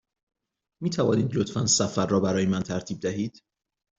می توانید لطفاً سفر را برای من ترتیب دهید؟